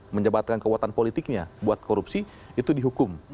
menjabatkan kekuatan politiknya buat korupsi itu dihukum